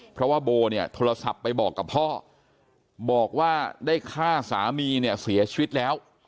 เพราะว่าโบเนี่ยโทรศัพท์ไปบอกกับพ่อบอกว่าได้ฆ่าสามีเนี่ยเสียชีวิตแล้ว